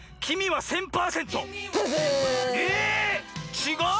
ちがう？